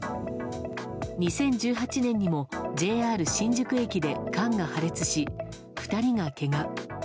２０１８年にもＪＲ新宿駅で缶が破裂し２人がけが。